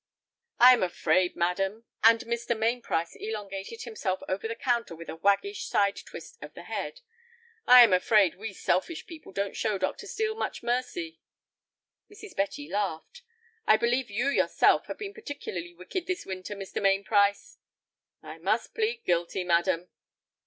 "I am afraid, madam," and Mr. Mainprice elongated himself over the counter with a waggish side twist of the head—"I am afraid we selfish people don't show Dr. Steel much mercy." Mrs. Betty laughed. "I believe you yourself have been particularly wicked this winter, Mr. Mainprice." "I must plead guilty, madam."